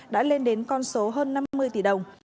đã lên đến con số hơn năm mươi tỷ đồng